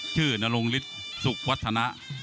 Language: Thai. นรงฤทธิ์สุขวัฒนะ